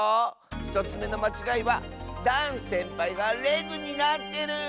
１つめのまちがいはダンせんぱいがレグになってる！